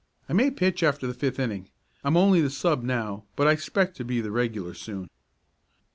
I may pitch after the fifth inning. I'm only the sub now, but I expect to be the regular soon."